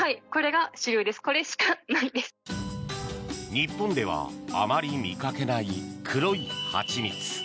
日本ではあまり見かけない黒い蜂蜜。